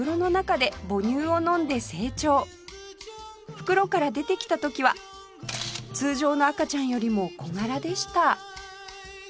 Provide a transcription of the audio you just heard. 袋から出てきた時は通常の赤ちゃんよりも小柄でした